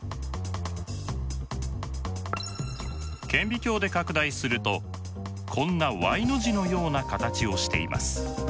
顕微鏡で拡大するとこんなＹの字のような形をしています。